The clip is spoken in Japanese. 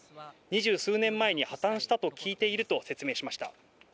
二十数年前に破綻したと聞いていると説明しました。